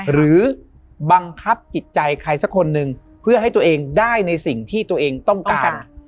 หรือบังคับจิตใจใครสักคนหนึ่งเพื่อให้ตัวเองได้ในสิ่งที่ตัวเองต้องการ